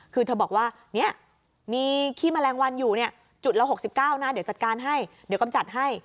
คือเธอบอกว่าเนี่ยมีขี้แมลงวันอยู่จุดละ๖๙นะเดี๋ยวจัดการให้เดี๋ยวกำจัดให้